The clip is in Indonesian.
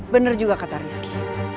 bener juga kata rizky